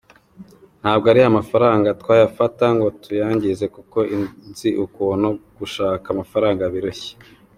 Ntabwo ariya mafaranga twayafata ngo tuyangize kuko nzi ukuntu gushaka amafaranga birushya.